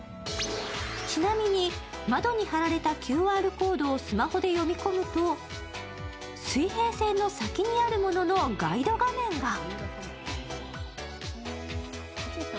ちなみに窓に貼られたＱＲコードをスマホで読み込むと水平線の先にあるもののガイド画面が。